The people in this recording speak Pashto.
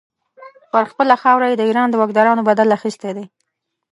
پر خپله خاوره یې د ایران د واکدارانو بدل اخیستی دی.